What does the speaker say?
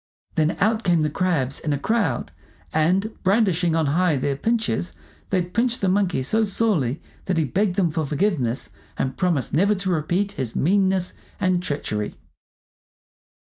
Then out came the crabs in a crowd, and brandishing on high their pinchers they pinched the Monkey so sorely that he begged them for forgiveness and promised never to repeat his meanness and treachery.